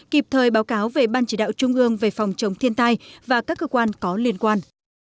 kịp thời báo cáo về ban chỉ đạo trung ương về phòng chống thiên tai và các cơ quan có liên quan